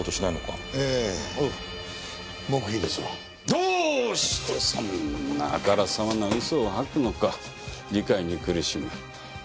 どうしてそんなあからさまな嘘を吐くのか理解に苦しむ。